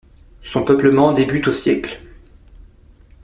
Son peuplement débute au siècle.